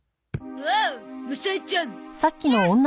おおむさえちゃん。